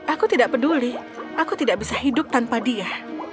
aku tidak peduli aku tidak bisa hidup tanpa dia